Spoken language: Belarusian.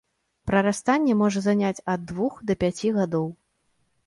Прарастанне можа заняць ад двух да пяці гадоў.